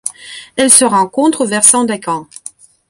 Elle se rencontre vers Sandakan.